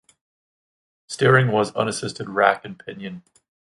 Steering was unassisted rack and pinion.